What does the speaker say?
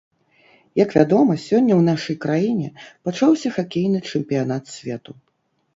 Як вядома, сёння ў нашай краіне пачаўся хакейны чэмпіянат свету.